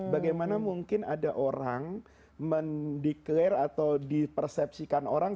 bagaimana mungkin ada orang mendeklarasi atau dipersepsikan orang